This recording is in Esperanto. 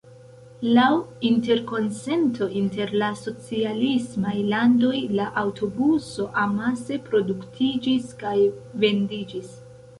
Laŭ interkonsento inter la socialismaj landoj, la aŭtobuso amase produktiĝis kaj vendiĝis.